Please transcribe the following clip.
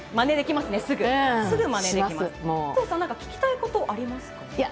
有働さんは聞きたいことありますか？